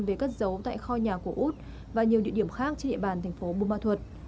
về các dấu tại kho nhà của út và nhiều địa điểm khác trên địa bàn thành phố bô ma thuật